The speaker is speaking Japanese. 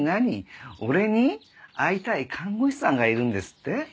俺に会いたい看護師さんがいるんですって？